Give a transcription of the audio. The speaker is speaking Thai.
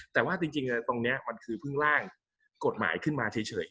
แต่ว่าจริงตรงนี้มันคือเพิ่งล่างกฎหมายขึ้นมาเฉย